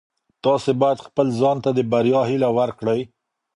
تاسي باید خپل ځان ته د بریا هیله ورکړئ.